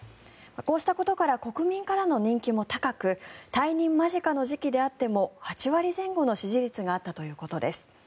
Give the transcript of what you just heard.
こうしたことから国民からの人気も高く退任間近の時期であっても８割前後の支持率があったということです。